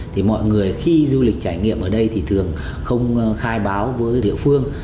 thì mọi người khi du lịch trải nghiệm ở đây thì thường không khai báo với địa phương